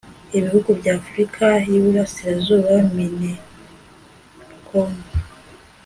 Ibihugu by Afrika y Iburasirazuba MINEACOM